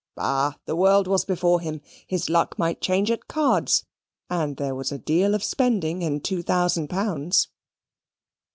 Bah! the world was before him. His luck might change at cards, and there was a deal of spending in two thousand pounds.